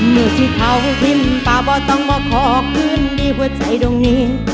เมื่อที่เขาทิ้งปาบ่าต้องมาขอคืนที่หัวใจตรงนี้